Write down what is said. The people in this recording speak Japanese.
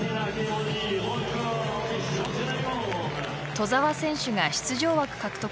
兎澤選手が出場枠獲得の４位。